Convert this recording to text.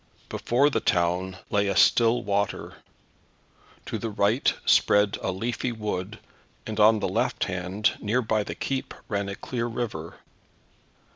Before the town lay a still water. To the right spread a leafy wood, and on the left hand, near by the keep, ran a clear river.